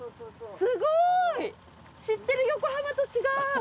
すごい知ってる横浜と違う。